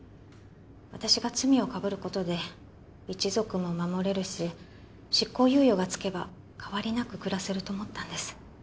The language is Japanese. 私が罪をかぶることで一族も守れるし執行猶予がつけば変わりなく暮らせると思ったんです